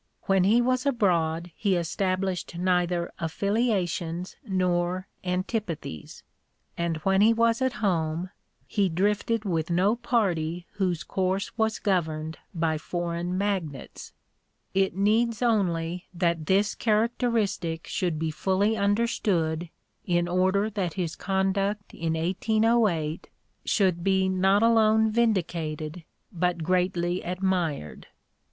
When he was abroad he established neither affiliations nor antipathies, and when he was at home he drifted with no party whose course was governed by foreign magnets. It needs only that this characteristic should be fully understood in order that his conduct in 1808 should be not alone vindicated but greatly admired.